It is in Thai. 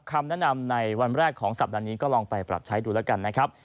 คำแนะนำในวันแรกของสัปดาห์นี้ก็ลองไปปรับใช้ดูแล้วกันนะครับ